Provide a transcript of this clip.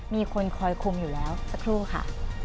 มีคนคอยคุมอยู่แล้วสักครู่ค่ะ